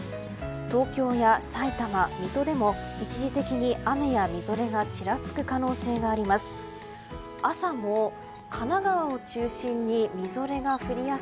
東京やさいたま、水戸でも一時的に雨やみぞれがちらつく可能性があります。